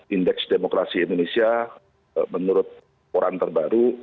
indeks demokrasi indonesia menurut orang terbaru